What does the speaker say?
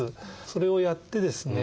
それをやってですね